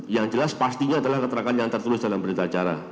yang jelas pastinya adalah keterangan yang tertulis dalam berita acara